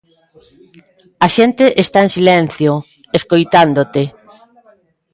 A xente está en silencio, escoitándote.